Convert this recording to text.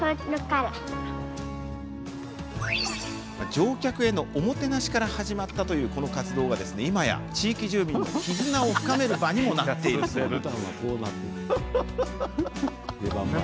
乗客へのおもてなしから始まったこの活動が今や地域住民の絆を深める場にもなっているそうです。